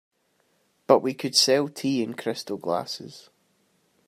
But we could sell tea in crystal glasses.